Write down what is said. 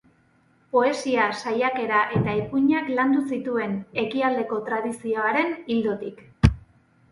Poesia, saiakera eta ipuinak landu zituen, ekialdeko tradizioaren ildotik.